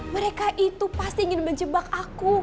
mereka itu pasti ingin menjebak aku